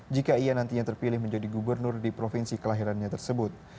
jika ia nantinya terpilih menjadi gubernur di provinsi kelahirannya tersebut